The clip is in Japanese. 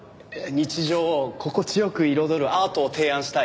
日常を心地良く彩るアートを提案したい。